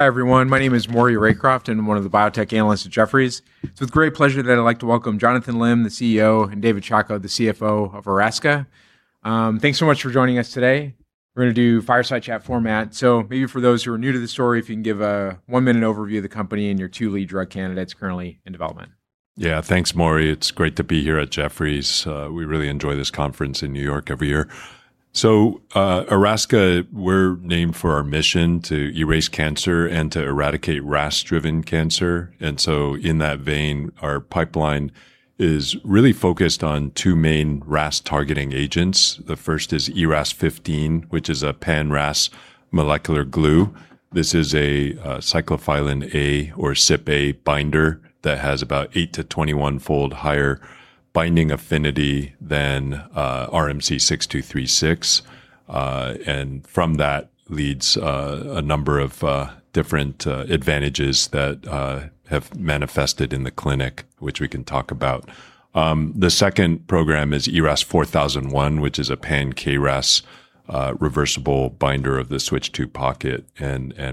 Hi, everyone. My name is Maury Raycroft, and I'm one of the biotech analysts at Jefferies. It's with great pleasure that I'd like to welcome Jonathan Lim, the CEO, and David Chacko, the CFO of Erasca. Thanks so much for joining us today. We're going to do fireside chat format. Maybe for those who are new to the story, if you can give a one-minute overview of the company and your two lead drug candidates currently in development. Yeah. Thanks, Maury. It's great to be here at Jefferies. We really enjoy this conference in New York every year. Erasca, we're named for our mission to erase cancer and to eradicate RAS-driven cancer. In that vein, our pipeline is really focused on two main RAS-targeting agents. The first is ERAS-0015, which is a pan-RAS molecular glue. This is a cyclophilin A or CypA binder that has about eight to 21-fold higher binding affinity than RMC-6236. From that leads a number of different advantages that have manifested in the clinic, which we can talk about. The second program is ERAS-4001, which is a pan-KRAS reversible binder of the switch-II pocket.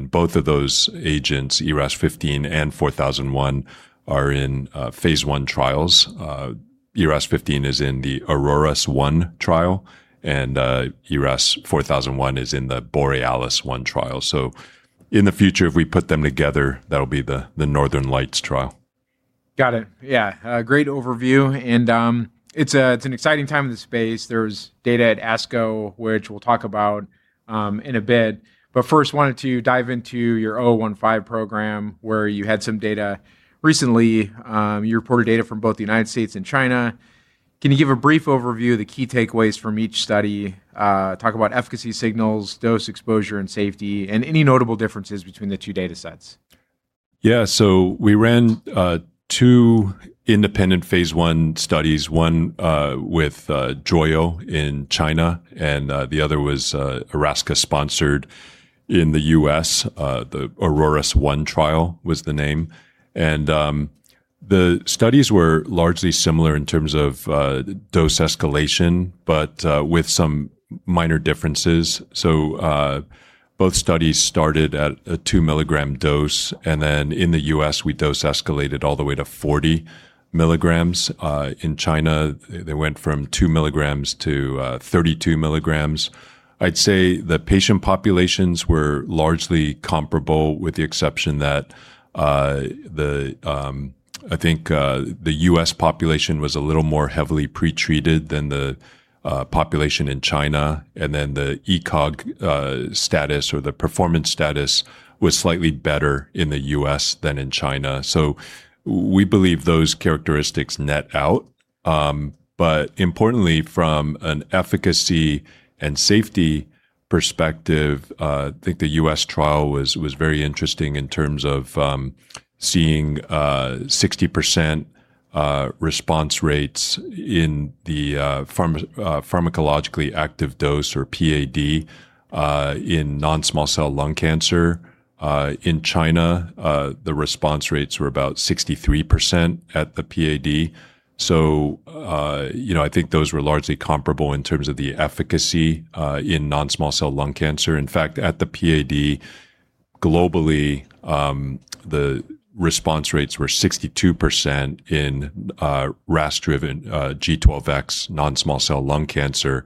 Both of those agents, ERAS-0015 and 4001, are in phase I trials. ERAS-0015 is in the AURORAS-1 trial, and ERAS-4001 is in the BOREALIS-1 trial. In the future, if we put them together, that'll be the Northern Lights trial. Got it. Yeah. Great overview. It's an exciting time in the space. There's data at ASCO, which we'll talk about in a bit. First, wanted to dive into your ERAS-0015 program where you had some data recently. You reported data from both the U.S. and China. Can you give a brief overview of the key takeaways from each study? Talk about efficacy signals, dose exposure, and safety, and any notable differences between the two data sets. Yeah. We ran two independent phase I studies, one with Joyo in China, the other was Erasca sponsored in the U.S., the AURORAS-1 trial was the name. The studies were largely similar in terms of dose escalation, but with some minor differences. Both studies started at a 2 mg dose. In the U.S., we dose escalated all the way to 40 mg. In China, they went from 2 mg to 32 mg. I'd say the patient populations were largely comparable with the exception that I think the U.S. population was a little more heavily pretreated than the population in China. The ECOG status or the performance status was slightly better in the U.S. than in China. We believe those characteristics net out. Importantly, from an efficacy and safety perspective, I think the U.S. trial was very interesting in terms of seeing 60% response rates in the pharmacologically active dose or PAD in non-small cell lung cancer. In China, the response rates were about 63% at the PAD. I think those were largely comparable in terms of the efficacy in non-small cell lung cancer. In fact, at the PAD, globally, the response rates were 62% in RAS driven G12X non-small cell lung cancer.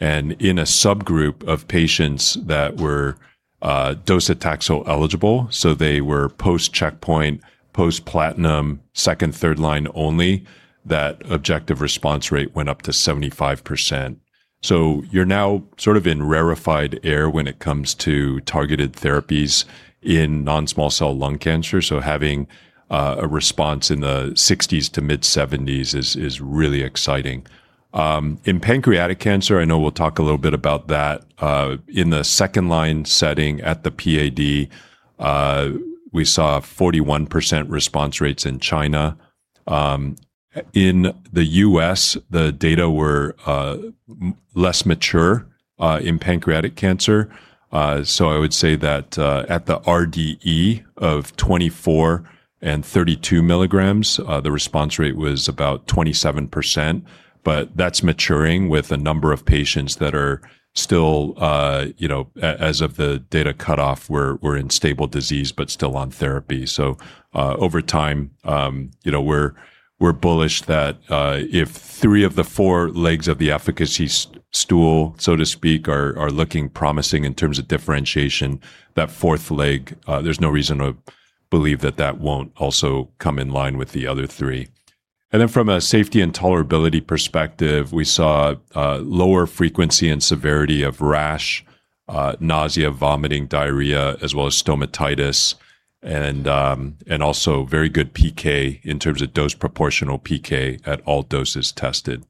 In a subgroup of patients that were docetaxel eligible, so they were post checkpoint, post platinum, second, third line only, that objective response rate went up to 75%. You're now sort of in rarefied air when it comes to targeted therapies in non-small cell lung cancer, so having a response in the 60%s to mid 70%s is really exciting. In pancreatic cancer, I know we'll talk a little bit about that, in the second line setting at the RDE, we saw 41% response rates in China. In the U.S., the data were less mature in pancreatic cancer, I would say that at the RDE of 24 mg and 32 mg, the response rate was about 27%, but that's maturing with a number of patients that are still, as of the data cutoff, we're in stable disease, but still on therapy. Over time, we're bullish that if three of the four legs of the efficacy stool, so to speak, are looking promising in terms of differentiation, that fourth leg, there's no reason to believe that that won't also come in line with the other three. From a safety and tolerability perspective, we saw lower frequency and severity of rash, nausea, vomiting, diarrhea, as well as stomatitis, and also very good PK in terms of dose proportional PK at all doses tested.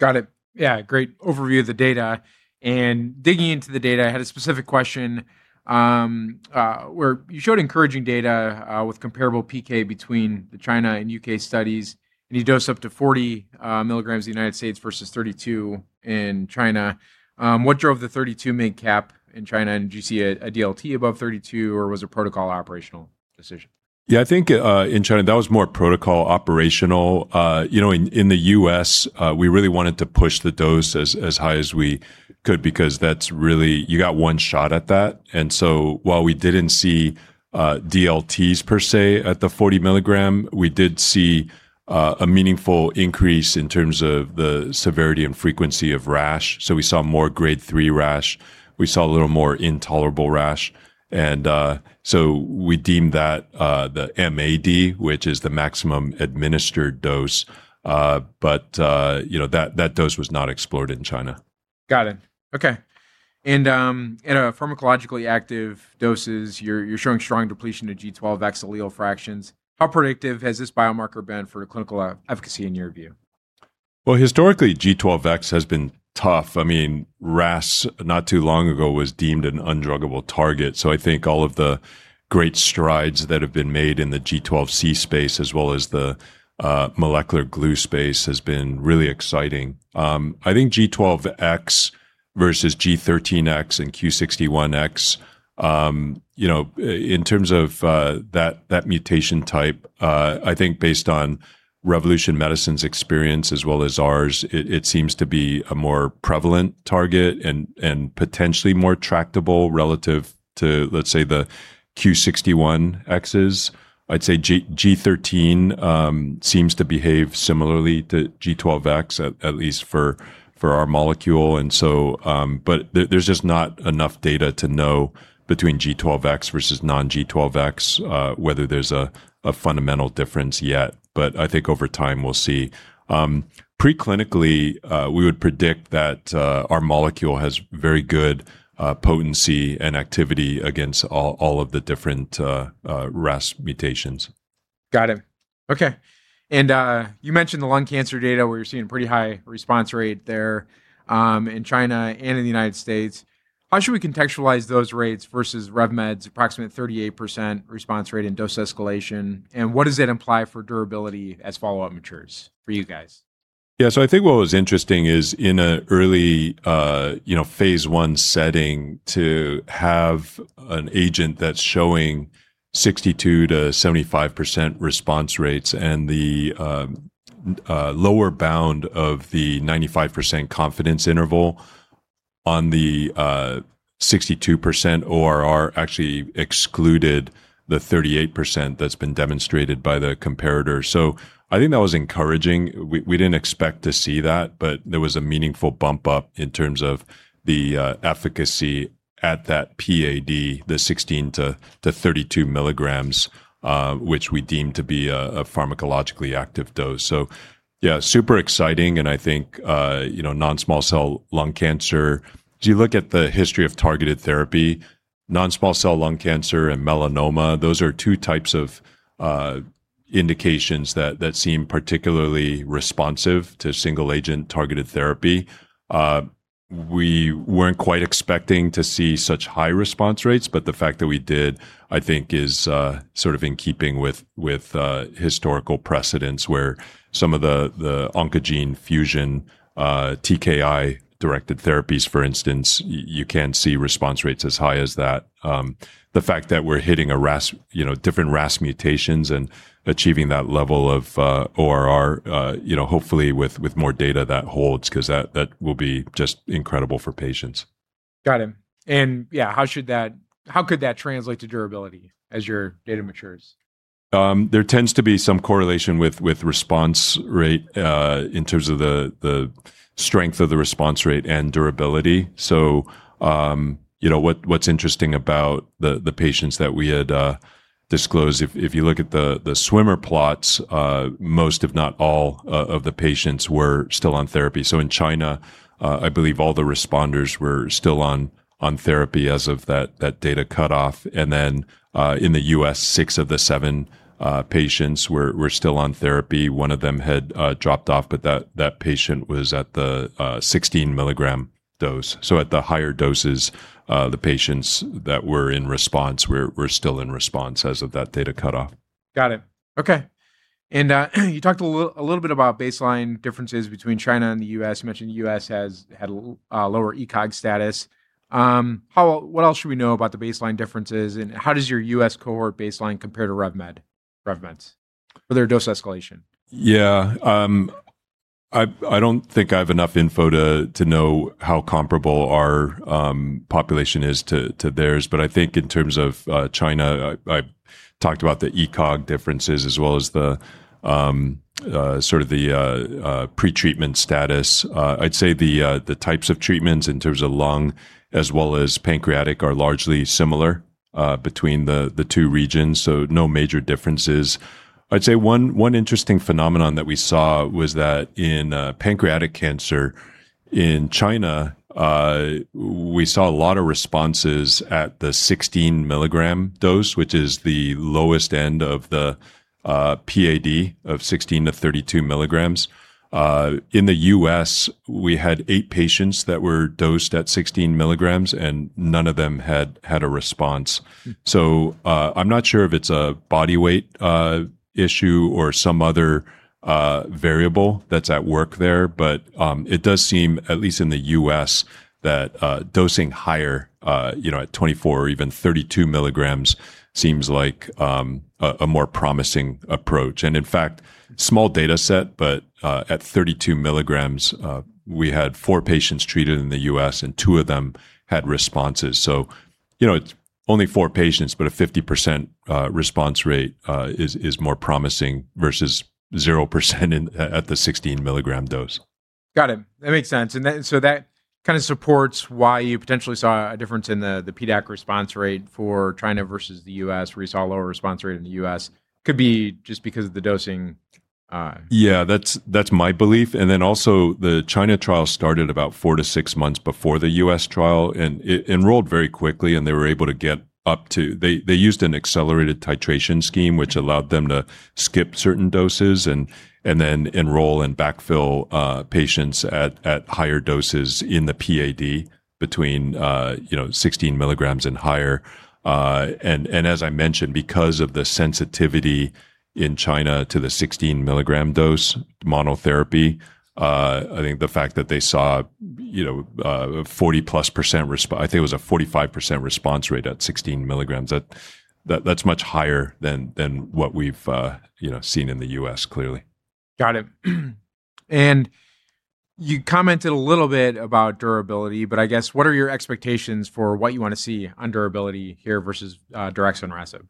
Got it. Yeah, great overview of the data. Digging into the data, I had a specific question where you showed encouraging data with comparable PK between the China and U.S. studies, and you dose up to 40 mg in the United States versus 32 mg in China. What drove the 32 mg cap in China? Did you see a DLT above 32 mg, or was it a protocol operational decision? Yeah, I think in China, that was more protocol operational. In the U.S., we really wanted to push the dose as high as we could, because you got one shot at that. While we didn't see DLTs per se at the 40 mg, we did see a meaningful increase in terms of the severity and frequency of rash. We saw more grade three rash. We saw a little more intolerable rash. We deemed that the MAD, which is the maximum administered dose. That dose was not explored in China. Got it. Okay. In a pharmacologically active doses, you're showing strong depletion to G12X allele fractions. How predictive has this biomarker been for clinical efficacy in your view? Well, historically, G12X has been tough. I mean, RAS, not too long ago, was deemed an undruggable target. I think all of the great strides that have been made in the G12C space as well as the molecular glue space has been really exciting. I think G12X versus G13X and Q61X, in terms of that mutation type, I think based on Revolution Medicines' experience as well as ours, it seems to be a more prevalent target and potentially more tractable relative to, let's say, the Q61Xs. I'd say G13X seems to behave similarly to G12X, at least for our molecule. There's just not enough data to know between G12X versus non-G12X whether there's a fundamental difference yet. I think over time, we'll see. Preclinically, we would predict that our molecule has very good potency and activity against all of the different RAS mutations. Got it. Okay. You mentioned the lung cancer data where you're seeing pretty high response rate there in China and in the United States. How should we contextualize those rates versus RevMed's approximate 38% response rate in dose escalation? What does that imply for durability as follow-up matures for you guys? Yeah. I think what was interesting is in an early phase I setting to have an agent that's showing 62%-75% response rates and the lower bound of the 95% confidence interval on the 62% ORR actually excluded the 38% that's been demonstrated by the comparator. I think that was encouraging. We didn't expect to see that, but there was a meaningful bump up in terms of the efficacy at that PAD, the 16 mg-32 mg, which we deemed to be a pharmacologically active dose. Yeah, super exciting, and I think non-small cell lung cancer, if you look at the history of targeted therapy, non-small cell lung cancer and melanoma, those are two types of indications that seem particularly responsive to single agent targeted therapy. We weren't quite expecting to see such high response rates. The fact that we did, I think, is sort of in keeping with historical precedents where some of the oncogene fusion TKI-directed therapies, for instance, you can see response rates as high as that. The fact that we're hitting different RAS mutations and achieving that level of ORR, hopefully with more data that holds because that will be just incredible for patients. Got it. Yeah, how could that translate to durability as your data matures? There tends to be some correlation with response rate in terms of the strength of the response rate and durability. What's interesting about the patients that we had disclosed, if you look at the swimmer plots, most, if not all, of the patients were still on therapy. In China, I believe all the responders were still on therapy as of that data cutoff. In the U.S., six of the seven patients were still on therapy. One of them had dropped off, but that patient was at the 16 mg dose. At the higher doses, the patients that were in response were still in response as of that data cutoff. Got it. Okay. You talked a little bit about baseline differences between China and the U.S. You mentioned the U.S. has had a lower ECOG status. What else should we know about the baseline differences, and how does your U.S. cohort baseline compare to RevMed's for their dose escalation? Yeah. I don't think I have enough info to know how comparable our population is to theirs. I think in terms of China, I talked about the ECOG differences as well as the sort of the pre-treatment status. I'd say the types of treatments in terms of lung as well as pancreatic are largely similar between the two regions, so no major differences. I'd say one interesting phenomenon that we saw was that in pancreatic cancer in China, we saw a lot of responses at the 16 mg dose, which is the lowest end of the PAD of 16 mg-32 mg. In the U.S., we had eight patients that were dosed at 16 mg, and none of them had a response. I'm not sure if it's a body weight issue or some other variable that's at work there. It does seem, at least in the U.S., that dosing higher at 24 mg or even 32 mg seems like a more promising approach. In fact, small data set, but at 32 mg, we had four patients treated in the U.S., and two of them had responses. It's only four patients, but a 50% response rate is more promising versus 0% at the 16 mg dose. Got it. That makes sense. That kind of supports why you potentially saw a difference in the PDAC response rate for China versus the U.S., where you saw a lower response rate in the U.S. Could be just because of the dosing. Yeah, that's my belief. Then also, the China trial started about four to six months before the U.S. trial, and it enrolled very quickly, and they were able to get up to. They used an accelerated titration scheme, which allowed them to skip certain doses and then enroll and backfill patients at higher doses in the PAD between 16 mg and higher. As I mentioned, because of the sensitivity in China to the 16 mg dose monotherapy, I think the fact that they saw a 40%+ response, I think it was a 45% response rate at 16 mg. That's much higher than what we've, you know seen in the U.S. clearly Got it. You commented a little bit about durability, but I guess, what are your expectations for what you want to see on durability here versus daraxonrasib?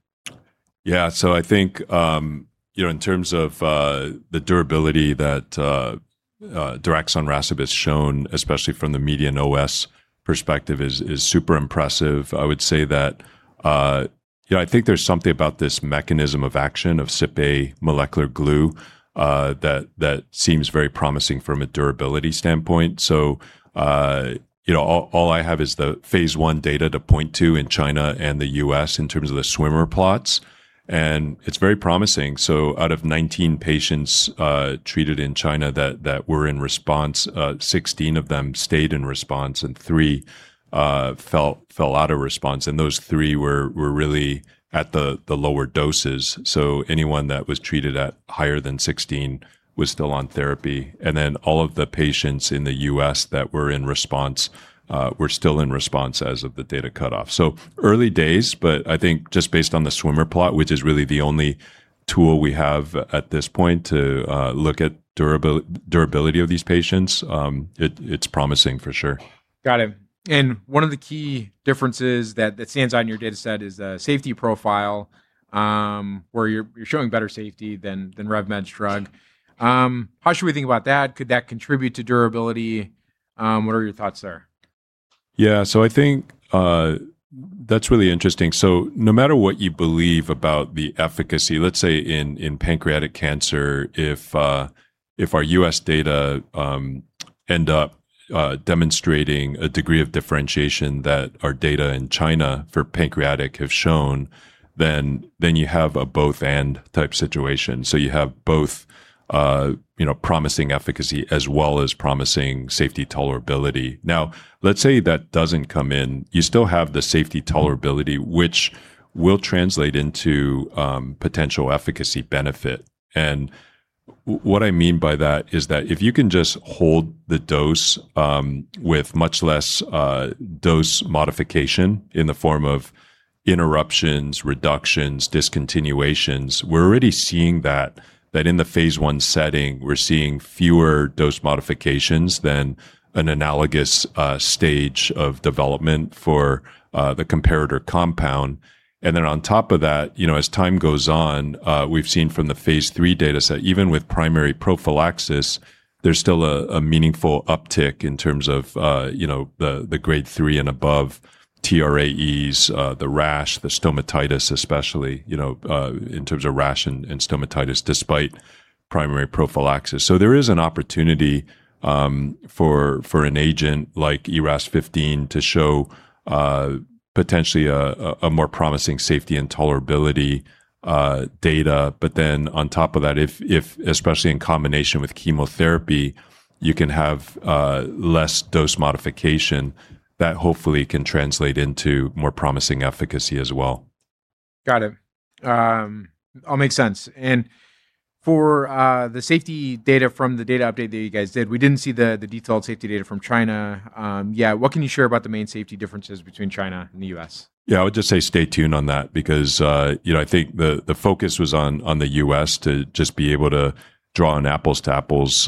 Yeah. I think in terms of the durability that daraxonrasib has shown, especially from the median OS perspective, is super impressive. I would say that I think there's something about this mechanism of action of CypA molecular glue that seems very promising from a durability standpoint. All I have is the phase I data to point to in China and the U.S. in terms of the swimmer plots, and it's very promising. Out of 19 patients treated in China that were in response, 16 of them stayed in response and three fell out of response, and those three were really at the lower doses. Anyone that was treated at higher than 16 mg was still on therapy. All of the patients in the U.S. that were in response were still in response as of the data cutoff. Early days, but I think just based on the swimmer plot, which is really the only tool we have at this point to look at durability of these patients, it's promising for sure. Got it. One of the key differences that stands out in your data set is the safety profile, where you're showing better safety than RevMed's drug. How should we think about that? Could that contribute to durability? What are your thoughts there? Yeah. I think that's really interesting. No matter what you believe about the efficacy, let's say in pancreatic cancer, if our U.S. data end up demonstrating a degree of differentiation that our data in China for pancreatic have shown, then you have a both/and type situation. You have both promising efficacy as well as promising safety tolerability. Now, let's say that doesn't come in. You still have the safety tolerability, which will translate into potential efficacy benefit. What I mean by that is that if you can just hold the dose with much less dose modification in the form of interruptions, reductions, discontinuations. We're already seeing that in the phase I setting, we're seeing fewer dose modifications than an analogous stage of development for the comparator compound. On top of that, as time goes on, we've seen from the phase III data set, even with primary prophylaxis, there's still a meaningful uptick in terms of the grade three and above TRAEs, the rash, the stomatitis, especially, in terms of rash and stomatitis, despite primary prophylaxis. There is an opportunity for an agent like ERAS-0015 to show potentially a more promising safety and tolerability data. On top of that, especially in combination with chemotherapy, you can have less dose modification that hopefully can translate into more promising efficacy as well. Got it. All makes sense. For the safety data from the data update that you guys did, we didn't see the detailed safety data from China. What can you share about the main safety differences between China and the U.S.? Yeah. I would just say stay tuned on that because I think the focus was on the U.S. to just be able to draw an apples to apples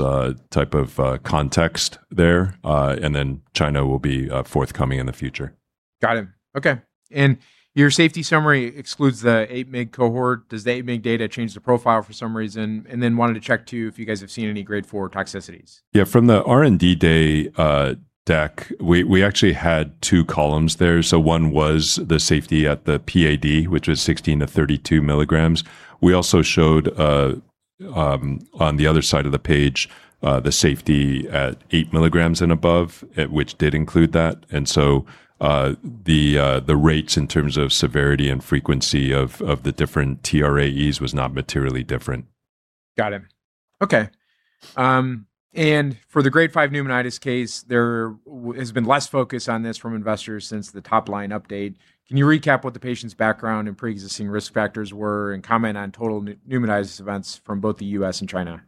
type of context there. China will be forthcoming in the future. Got it. Okay. Your safety summary excludes the 8 mg cohort. Does the 8 mg data change the profile for some reason? Wanted to check too if you guys have seen any grade four toxicities. From the R&D day deck, we actually had two columns there. One was the safety at the PAD, which was 16 mg-32 mg. We also showed on the other side of the page the safety at 8 mg and above, which did include that. The rates in terms of severity and frequency of the different TRAEs was not materially different. Got it. Okay. For the grade five pneumonitis case, there has been less focus on this from investors since the top-line update. Can you recap what the patient's background and preexisting risk factors were and comment on total pneumonitis events from both the U.S. and China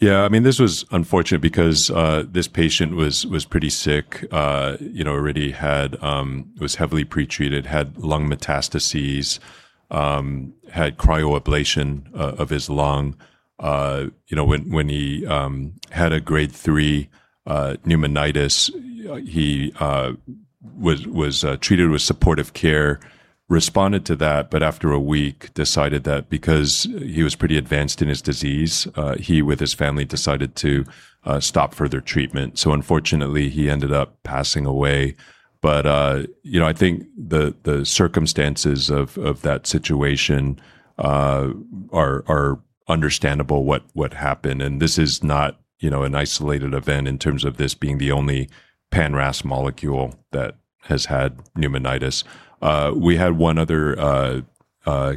experience? This was unfortunate because this patient was pretty sick, was heavily pretreated, had lung metastases, had cryoablation of his lung. When he had a grade five pneumonitis, he was treated with supportive care, responded to that, after a week, decided that because he was pretty advanced in his disease, he, with his family, decided to stop further treatment. Unfortunately, he ended up passing away. I think the circumstances of that situation are understandable what happened, and this is not an isolated event in terms of this being the only pan-RAS molecule that has had pneumonitis. We had one other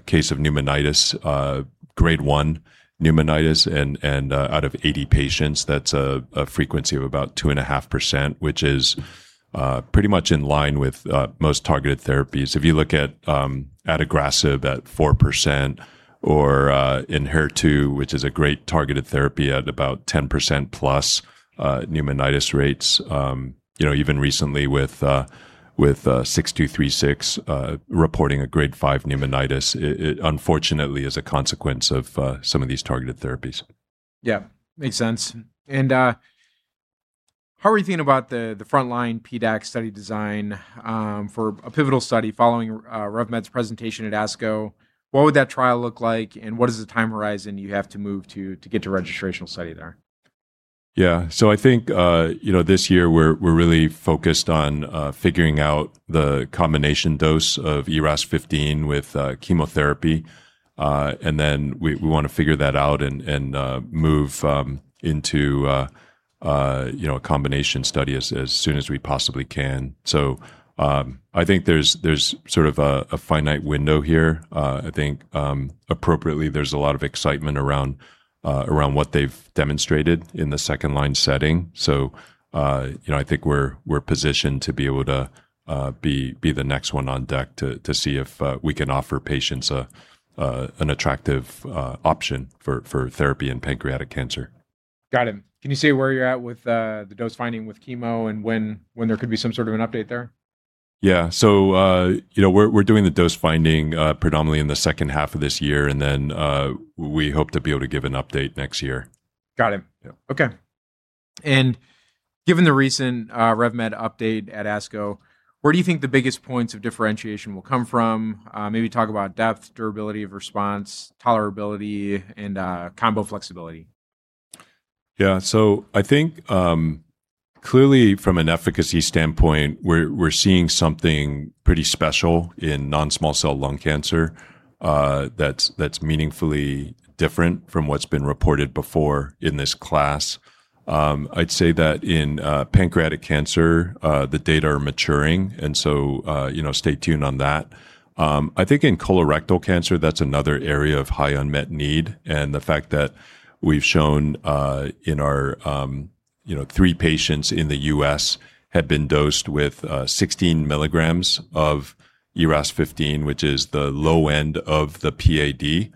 case of pneumonitis, grade one pneumonitis, and out of 80 patients, that's a frequency of about 2.5%, which is pretty much in line with most targeted therapies. If you look at adagrasib at 4% or Enhertu, which is a great targeted therapy, at about 10%+ pneumonitis rates, even recently with RMC-6236 reporting a grade five pneumonitis, it unfortunately is a consequence of some of these targeted therapies. Yeah. Makes sense. How are you thinking about the frontline PDAC study design for a pivotal study following RevMed's presentation at ASCO? What would that trial look like, and what is the time horizon you have to move to get to registrational study there? Yeah. I think this year we're really focused on figuring out the combination dose of ERAS-0015 with chemotherapy. We want to figure that out and move into a combination study as soon as we possibly can. I think there's sort of a finite window here. I think appropriately there's a lot of excitement around what they've demonstrated in the second-line setting. I think we're positioned to be able to be the next one on deck to see if we can offer patients an attractive option for therapy in pancreatic cancer. Got it. Can you say where you're at with the dose finding with chemo and when there could be some sort of an update there? Yeah. We're doing the dose finding predominantly in the second half of this year, and then we hope to be able to give an update next year. Got it. Yeah. Okay. Given the recent RevMed update at ASCO, where do you think the biggest points of differentiation will come from? Maybe talk about depth, durability of response, tolerability, and combo flexibility. I think clearly from an efficacy standpoint, we're seeing something pretty special in non-small cell lung cancer that's meaningfully different from what's been reported before in this class. I'd say that in pancreatic cancer the data are maturing, and so stay tuned on that. I think in colorectal cancer, that's another area of high unmet need, and the fact that we've shown in our three patients in the U.S. have been dosed with 16 mg of ERAS-0015, which is the low end of the PAD.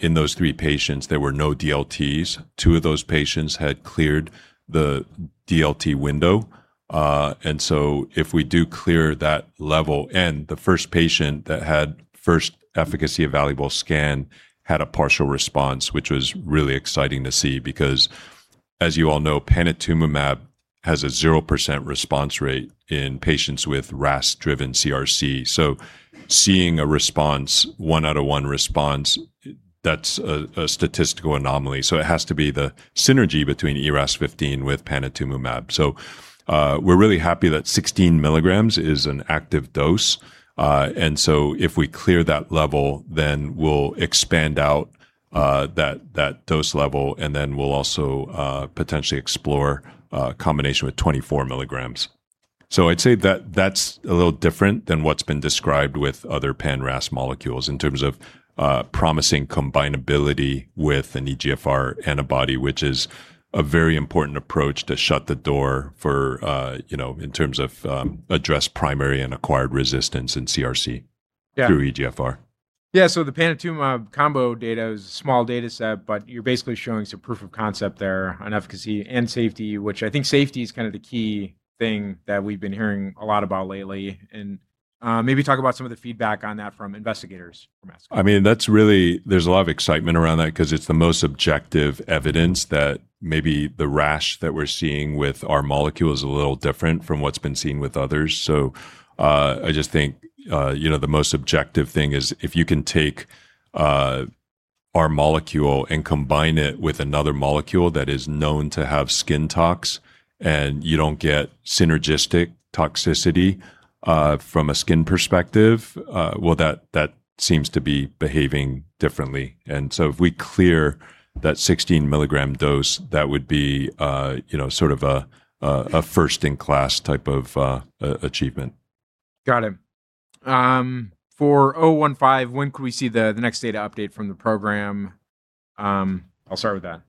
In those three patients, there were no DLTs. Two of those patients had cleared the DLT window. If we do clear that level, and the first patient that had first efficacy evaluable scan had a partial response, which was really exciting to see because as you all know, panitumumab has a 0% response rate in patients with RAS-driven CRC. Seeing a response, one out of one response, that's a statistical anomaly. It has to be the synergy between ERAS-0015 with panitumumab. We're really happy that 16 mg is an active dose. If we clear that level, then we'll expand out that dose level, and then we'll also potentially explore a combination with 24 mg. I'd say that's a little different than what's been described with other pan-RAS molecules in terms of promising combinability with an EGFR antibody, which is a very important approach to shut the door in terms of address primary and acquired resistance in CRC. Yeah Through EGFR. Yeah. The panitumumab combo data is a small data set, but you're basically showing some proof of concept there on efficacy and safety, which I think safety is kind of the key thing that we've been hearing a lot about lately. Maybe talk about some of the feedback on that from investigators from ASCO. There's a lot of excitement around that because it's the most objective evidence that maybe the rash that we're seeing with our molecule is a little different from what's been seen with others. I just think the most objective thing is if you can take our molecule and combine it with another molecule that is known to have skin tox and you don't get synergistic toxicity from a skin perspective, well, that seems to be behaving differently. If we clear that 16 mg dose, that would be sort of a first in class type of achievement. Got it. For ERAS-0015, when could we see the next data update from the program? I'll start with that.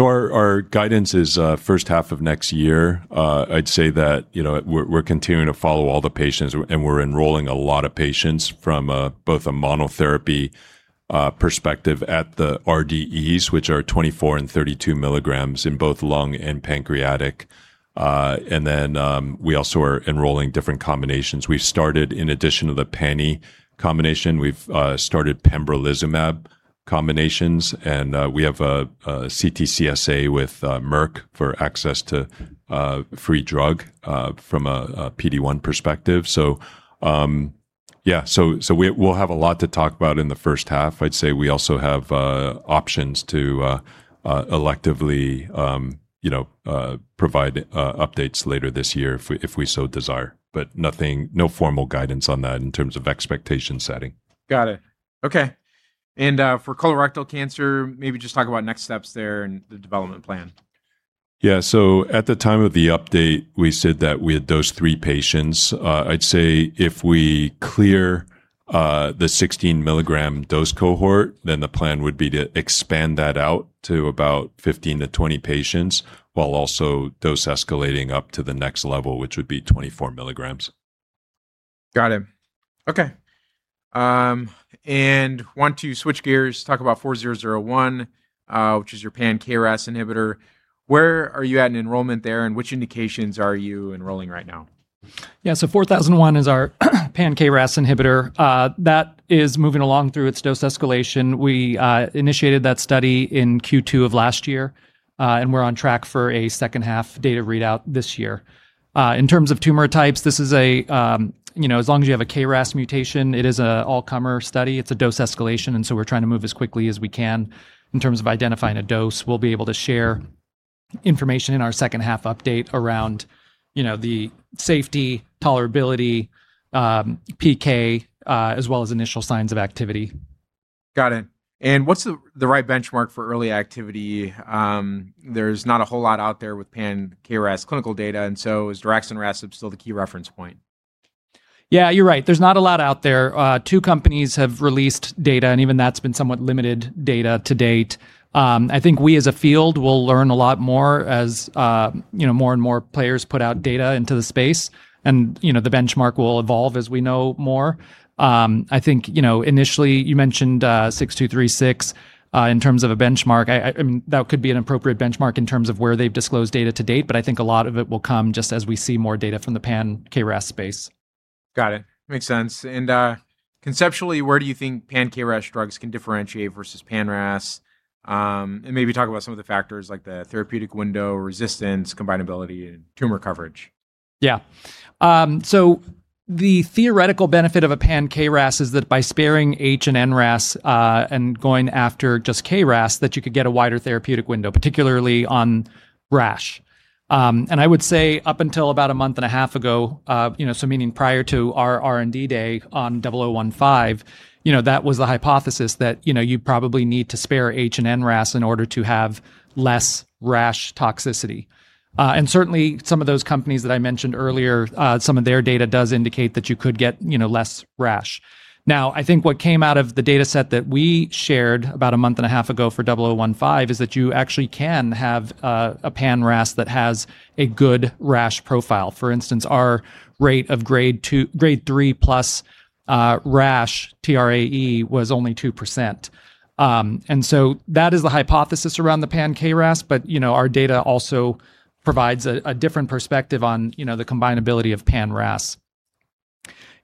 Our guidance is first half of next year. I'd say that we're continuing to follow all the patients, and we're enrolling a lot of patients from both a monotherapy perspective at the RDEs, which are 24 mg and 32 mg in both lung and pancreatic. We also are enrolling different combinations. We've started in addition to the pani combination, we've started pembrolizumab combinations, and we have a CTCSA with Merck for access to a free drug from a PD-1 perspective. We'll have a lot to talk about in the first half. I'd say we also have options to electively provide updates later this year if we so desire, but no formal guidance on that in terms of expectation setting. Got it. Okay. For colorectal cancer, maybe just talk about next steps there and the development plan. At the time of the update, we said that we had those three patients. If we clear the 16 mg dose cohort, then the plan would be to expand that out to about 15 to 20 patients, while also dose escalating up to the next level, which would be 24 mg. Got it. Okay. Want to switch gears, talk about ERAS-4001, which is your pan-KRAS inhibitor. Where are you at in enrollment there, and which indications are you enrolling right now? Yeah. ERAS-4001 is our pan-KRAS inhibitor. That is moving along through its dose escalation. We initiated that study in Q2 of last year. We're on track for a second half data readout this year. In terms of tumor types, as long as you have a KRAS mutation, it is an all-comer study. It's a dose escalation, we're trying to move as quickly as we can in terms of identifying a dose. We'll be able to share information in our second half update around the safety, tolerability, PK, as well as initial signs of activity. Got it. What's the right benchmark for early activity? There's not a whole lot out there with pan-KRAS clinical data, is daraxonrasib still the key reference point? Yeah, you're right. There's not a lot out there. Two companies have released data, and even that's been somewhat limited data to date. I think we, as a field, will learn a lot more as more and more players put out data into the space and the benchmark will evolve as we know more. I think initially you mentioned RMC-6236 in terms of a benchmark. That could be an appropriate benchmark in terms of where they've disclosed data to date. I think a lot of it will come just as we see more data from the pan-KRAS space. Got it. Makes sense. Conceptually, where do you think pan-KRAS drugs can differentiate versus pan-RAS? Maybe talk about some of the factors like the therapeutic window, resistance, combinability, and tumor coverage. Yeah. The theoretical benefit of a pan-KRAS is that by sparing HRAS and NRAS, and going after just KRAS, that you could get a wider therapeutic window, particularly on rash. I would say up until about a month and a half ago, meaning prior to our R&D day on ERAS-0015, that was the hypothesis that you probably need to spare HRAS and NRAS in order to have less rash toxicity. Certainly, some of those companies that I mentioned earlier, some of their data does indicate that you could get less rash. I think what came out of the dataset that we shared about a month and a half ago for ERAS-0015 is that you actually can have a pan-RAS that has a good rash profile. For instance, our rate of grade three-plus rash, TRAE, was only 2%. That is the hypothesis around the pan-KRAS, but our data also provides a different perspective on the combinability of pan-RAS.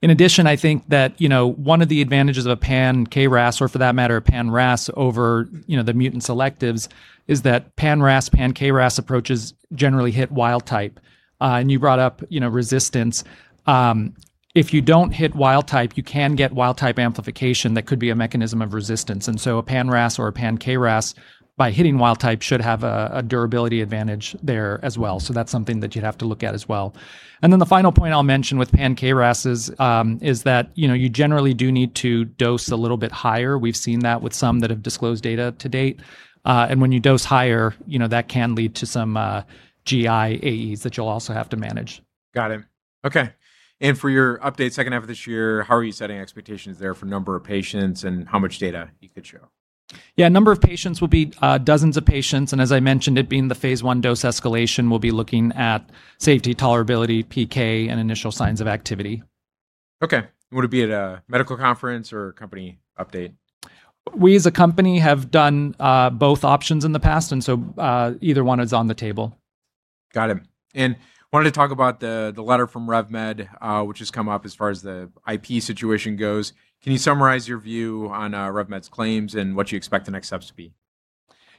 In addition, I think that one of the advantages of a pan-KRAS, or for that matter a pan-RAS over the mutant selectives is that pan-RAS, pan-KRAS approaches generally hit wild type. You brought up resistance. If you don't hit wild type, you can get wild type amplification that could be a mechanism of resistance. A pan-RAS or a pan-KRAS by hitting wild type should have a durability advantage there as well. That's something that you'd have to look at as well. The final point I'll mention with pan-KRAS is that you generally do need to dose a little bit higher. We've seen that with some that have disclosed data to date. When you dose higher, that can lead to some GI AEs that you'll also have to manage. Got it. Okay. For your update second half of this year, how are you setting expectations there for number of patients and how much data you could show? Yeah. Number of patients will be dozens of patients, and as I mentioned, it being the phase I dose escalation, we'll be looking at safety tolerability, PK, and initial signs of activity. Okay. Would it be at a medical conference or a company update? We as a company have done both options in the past, and so, either one is on the table. Got it. Wanted to talk about the letter from RevMed, which has come up as far as the IP situation goes. Can you summarize your view on RevMed's claims and what you expect the next steps to be?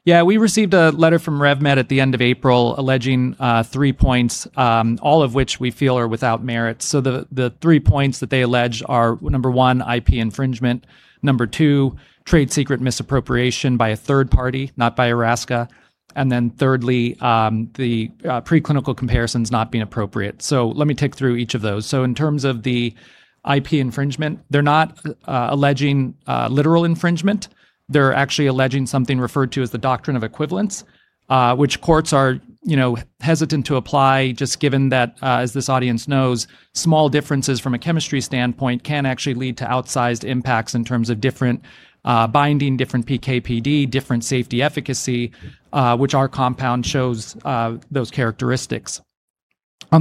We received a letter from RevMed at the end of April alleging three points, all of which we feel are without merit. The three points that they allege are, number one, IP infringement, number two, trade secret misappropriation by a third party, not by Erasca, and then thirdly, the preclinical comparisons not being appropriate. Let me take through each of those. In terms of the IP infringement, they're not alleging literal infringement. They're actually alleging something referred to as the doctrine of equivalents, which courts are hesitant to apply just given that, as this audience knows, small differences from a chemistry standpoint can actually lead to outsized impacts in terms of different binding, different PK/PD, different safety efficacy, which our compound shows those characteristics.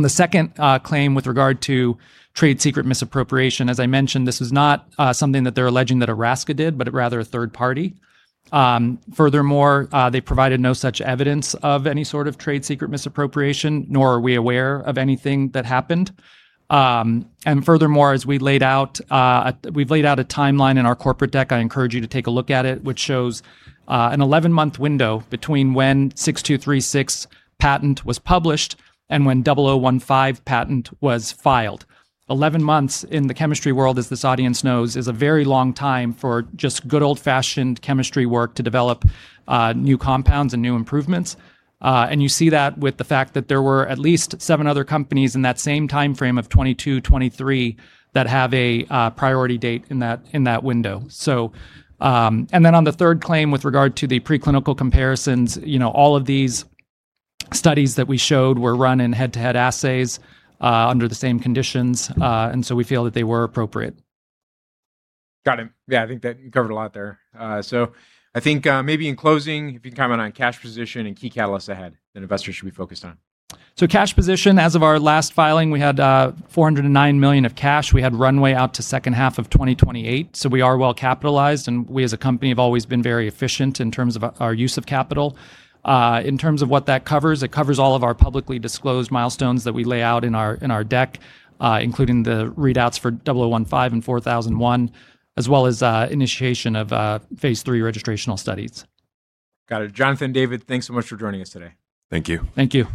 The second claim with regard to trade secret misappropriation, as I mentioned, this is not something that they're alleging that Erasca did, but rather a third party. They provided no such evidence of any sort of trade secret misappropriation, nor are we aware of anything that happened. As we've laid out a timeline in our corporate deck, I encourage you to take a look at it, which shows an 11-month window between when RMC-6236 patent was published and when ERAS-0015 patent was filed. 11 months in the chemistry world, as this audience knows, is a very long time for just good old-fashioned chemistry work to develop new compounds and new improvements. You see that with the fact that there were at least seven other companies in that same timeframe of 2022, 2023, that have a priority date in that window. On the third claim with regard to the preclinical comparisons, all of these studies that we showed were run in head-to-head assays under the same conditions. We feel that they were appropriate. Got it. Yeah, I think that you covered a lot there. I think maybe in closing, if you can comment on cash position and key catalysts ahead that investors should be focused on. Cash position, as of our last filing, we had $409 million of cash. We had runway out to second half of 2028, so we are well capitalized, and we as a company have always been very efficient in terms of our use of capital. In terms of what that covers, it covers all of our publicly disclosed milestones that we lay out in our deck, including the readouts for ERAS-0015 and ERAS-4001, as well as initiation of phase III registrational studies. Got it. Jonathan, David, thanks so much for joining us today. Thank you. Thank you.